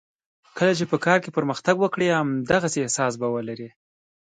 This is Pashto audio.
کله چې په کار کې پرمختګ وکړې همدغسې احساس به ولرې.